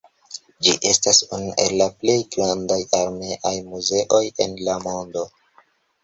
Ĝi estas unu el la plej grandaj armeaj muzeoj en la mondo.